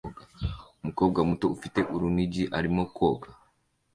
Umukobwa muto ufite urunigi arimo koga